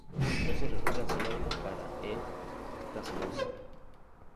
No se registran sinónimos para "E. racemosa".